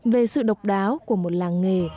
về sự độc đáo của một làng nghề